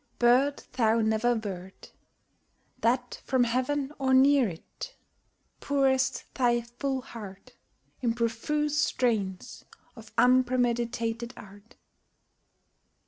Bird thou never wert That from heaven or near it Pourest thy full heart In profuse strains of unpremeditated art.